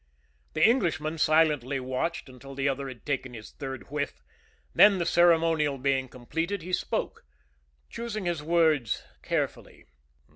The Englishman silently watched until the other had taken his third whiff; then, the ceremonial being completed, he spoke, choosing his words carefully.